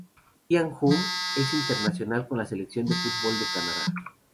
Iain Hume es internacional con la selección de fútbol de Canadá.